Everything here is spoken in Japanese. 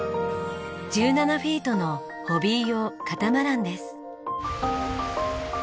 １７フィートのホビー用カタマランです。